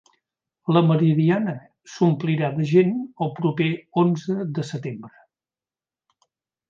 La Meridiana s'omplirà de gent el proper Onze de Setembre